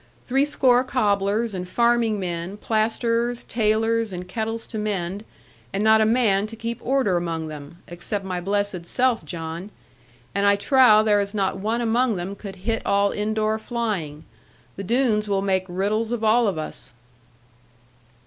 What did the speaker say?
Threescore cobblers, and farming men, plasterers, tailors, and kettles to mend; and not a man to keep order among them, except my blessed self, John! And I trow there is not one among them could hit all in door flying. The Doones will make riddles of all of us.'